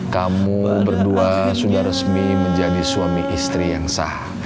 kamu berdua sudah resmi menjadi suami istri yang sah